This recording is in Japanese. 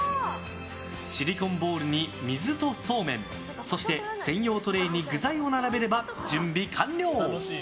シリコンボウルに水とそうめんそして、専用トレイに具材を並べれば準備完了。